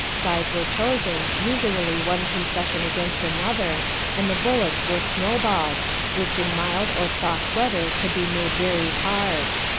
Sides were chosen, usually one concession against another, and the bullets were snowballs, which in mild or soft weather could be made very hard.